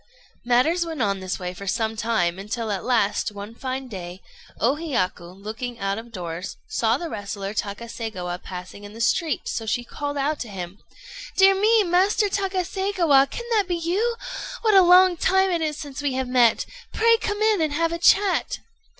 Matters went on in this way for some time, until at last, one fine day, O Hiyaku, looking out of doors, saw the wrestler Takaségawa passing in the street, so she called out to him "Dear me, Master Takaségawa, can that be you! What a long time it is since we have met! Pray come in, and have a chat."